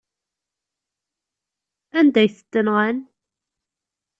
Anda ay tent-nɣan?